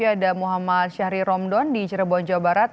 ada muhammad syahri romdon di cirebon jawa barat